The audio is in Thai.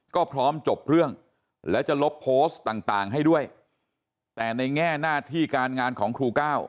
ก็พร้อมจบเรื่องแล้วจะลบโพสต์ต่างให้ด้วยแต่ในแง่หน้าที่การงานของครูก้าว